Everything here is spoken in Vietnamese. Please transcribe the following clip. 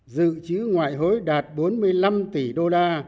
dự trữ ngoại hối đạt bốn mươi năm tỷ đô la